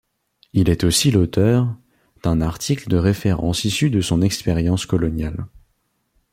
Il est aussi l'auteur d'un article de référence issu de son expérience coloniale.